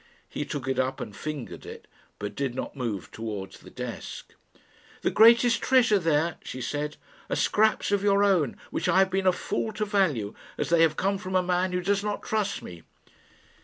He took it up and fingered it, but did not move towards the desk. "The greatest treasure there," she said, "are scraps of your own, which I have been a fool to value, as they have come from a man who does not trust me."